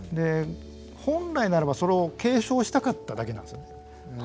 本来ならばそれを警鐘したかっただけなんですよね。